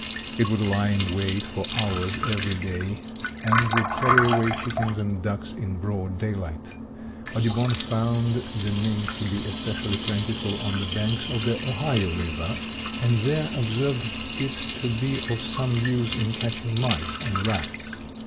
It would lie in wait for hours every day and would carry away chickens and ducks in broad daylight. Audubon found the mink to be especially plentiful on the banks of the Ohio river, and there observed it to be of some use in catching mice and rats.